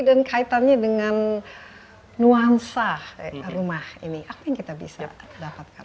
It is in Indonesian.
dan kaitannya dengan nuansa rumah ini apa yang kita bisa dapatkan